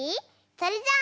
それじゃ。